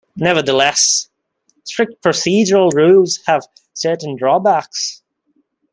Nevertheless, strict procedural rules have certain drawbacks.